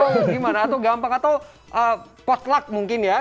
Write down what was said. susah gak sih atau gimana atau gampang atau potluck mungkin ya